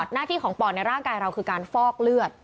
หน้าที่ของปอดในร่างกายเราคือการฟอกเลือด